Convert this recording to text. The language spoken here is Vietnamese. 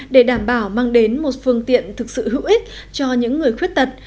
để đảm bảo mang đến một phương tiện thực sự hữu ích cho những người khuyết tật